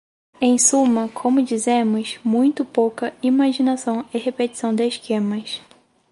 Em suma, como dizemos, muito pouca imaginação e repetição de esquemas.